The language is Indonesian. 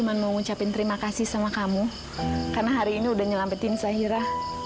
tante cuma mau ngucapin terima kasih sama kamu karena hari ini udah nyelamatin zahira